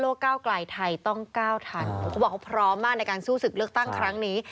ก้าวไกลไทยต้องก้าวทันเขาบอกเขาพร้อมมากในการสู้ศึกเลือกตั้งครั้งนี้